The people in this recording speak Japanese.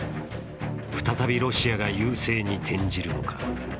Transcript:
再びロシアが優勢に転じるのか。